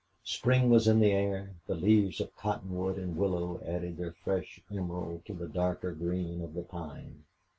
Spring was in the air. The leaves of cottonwood and willow added their fresh emerald to the darker green of the pine.